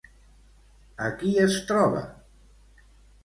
A qui es troba?